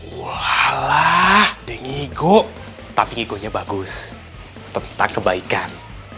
wala dengigo tapi ikutnya bagus tentang kebaikan